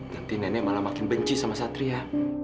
nanti nenek malah makin benci sama satria